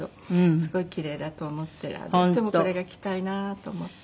すごい奇麗だと思ってどうしてもこれが着たいなと思って。